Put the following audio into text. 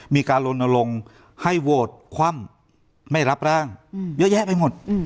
มีการลนลงให้โหวตคว่ำไม่รับร่างเยอะแยะไปหมด